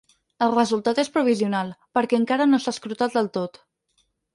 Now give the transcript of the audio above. El resultat és provisional, perquè encara no s’ha escrutat del tot.